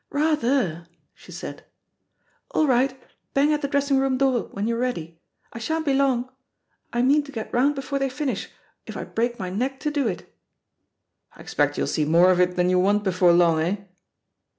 "Rather I" she said. "All right, bang at the dressing room door when you're ready. I shan't be long. I mean to get round before they finish, if I break my neck to do it." "I expect you'll see more of it than you want before long, eh?"